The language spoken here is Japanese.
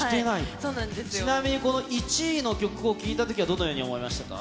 ちなみにこの１位の曲を聴いたときは、どのように思いましたか？